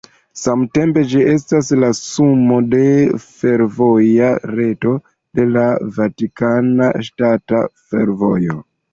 Samtempe ĝi estas la sumo de fervoja reto de la Vatikana Ŝtata Fervojo.